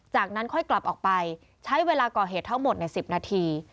จากนั้นค่อยกลับออกไปใช้เวลาก่อเหตุทั้งหมดใน๑๐นาที